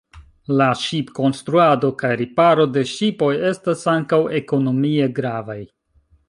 La ŝipkonstruado kaj riparo de ŝipoj estas ankaŭ ekonomie gravaj.